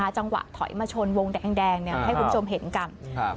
จังหวะถอยมาชนวงแดงให้คุณผู้ชมเห็นกัน